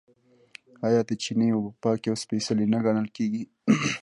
آیا د چینې اوبه پاکې او سپیڅلې نه ګڼل کیږي؟